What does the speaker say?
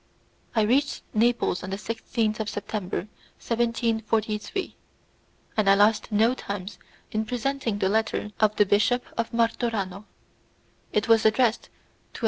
I reached Naples on the 16th of September, 1743, and I lost no time in presenting the letter of the Bishop of Martorano. It was addressed to a M.